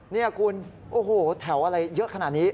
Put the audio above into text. นี่คุณโอ้โหแถวอะไรเยอะขนาดนี้